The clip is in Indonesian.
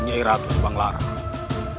nyai ratu sekarwangi